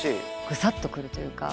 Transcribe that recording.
ぐさっとくるというか。